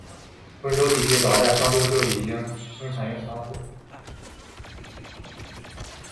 温州地区早在商周时期就已经生产原始瓷器。